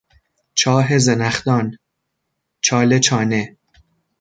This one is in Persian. چاه زنخدان، چال چانه